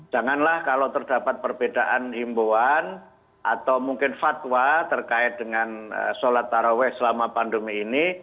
janganlah kalau terdapat perbedaan himbuan atau mungkin fatwa terkait dengan sholat taraweh selama pandemi ini